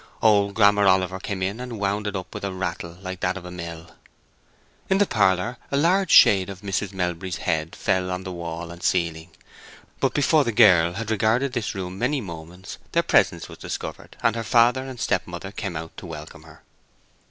Old Grammer Oliver came and wound it up with a rattle like that of a mill. In the parlor a large shade of Mrs. Melbury's head fell on the wall and ceiling; but before the girl had regarded this room many moments their presence was discovered, and her father and stepmother came out to welcome her.